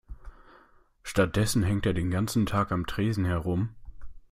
Stattdessen hängt er den ganzen Abend am Tresen herum.